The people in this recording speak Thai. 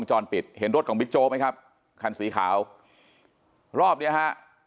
จรปิดเห็นรถของบิ๊กโจ๊กไหมครับคันสีขาวรอบเนี้ยฮะ